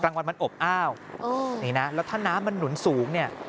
กลางวันมันอบอ้าวนี่นะแล้วถ้าน้ำมันหนุนสูงเนี่ย